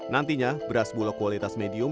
nantinya beras bulog kualitas medium